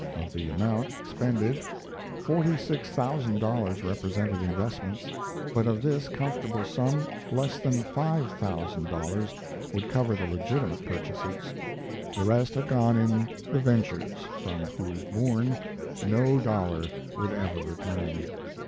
Of the amount expended forty six thousand dollars represented investments; but of this comfortable sum less than five thousand dollars would cover the legitimate purchases; the rest had gone in the "ventures" from whose bourne no dollar would ever return.